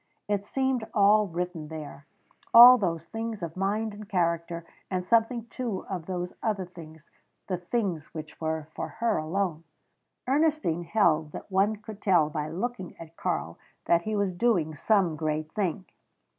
It seemed all written there all those things of mind and character, and something too of those other things the things which were for her alone. Ernestine held that one could tell by looking at Karl that he was doing some great thing.